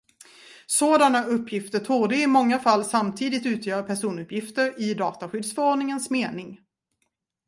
Sådana uppgifter torde i många fall samtidigt utgöra personuppgifter i dataskyddsförordningens mening.